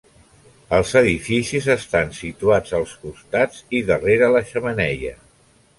Els edificis estan situats als costats i darrere la xemeneia.